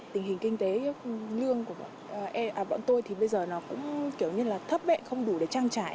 tình hình kinh tế lương của bọn tôi thì bây giờ nó cũng kiểu như là thấp bệ không đủ để trang trải